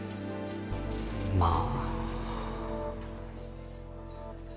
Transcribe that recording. まあ